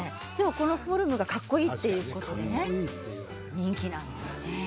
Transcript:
フォルムがかっこいいということで人気なんですよね。